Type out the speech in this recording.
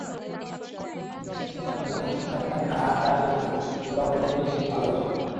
কাজল ঘোষের পরিচালনায় অনুষ্ঠানে থাকবে নাচ, গান, চণ্ডীপাঠসহ দুর্গাপূজা নিয়ে বিশেষ আলোচনা।